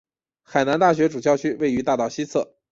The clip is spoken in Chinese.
海南大学主校区位于大道西侧。